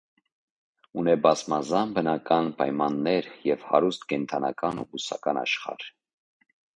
Ունէ բազմազան բնական պայմաններ եւ հարուստ կենդանական եւ բուսական աշխարհ։